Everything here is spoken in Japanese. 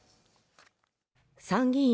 参議院